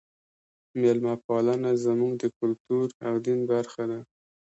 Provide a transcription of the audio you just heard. میلمه پالنه زموږ د کلتور او دین برخه ده.